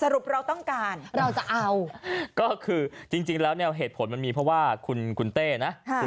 รุปเราต้องการเราจะเอาก็คือจริงแล้วเนี่ยเหตุผลมันมีเพราะว่าคุณเต้นะ